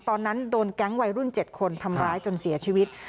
ตอนนั้นโดนแก๊งวัยรุ่น๗คนทำร้ายจนเสียชีวิต